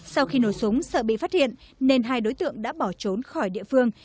sau khi nổ súng sợ bị phát hiện nên hai đối tượng đã bỏ trốn khỏi địa phương